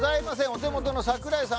お手元の「櫻井さん」